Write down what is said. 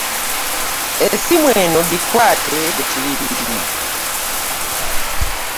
Essimu eno gikwate butiribiri.